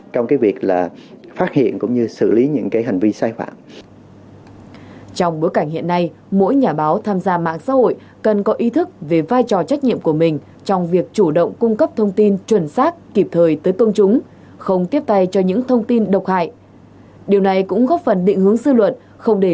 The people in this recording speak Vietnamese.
trong bối cảnh hiện nay mỗi nhà báo tham gia mạng xã hội cần có ý thức về vai trò trách nhiệm của mình trong việc chủ đề xử lý xử lý xử lý xử lý xử lý xử lý xử lý xử lý xử lý xử lý xử lý